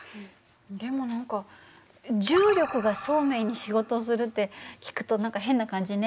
でも何か重力がそうめんに仕事をするって聞くと何か変な感じね。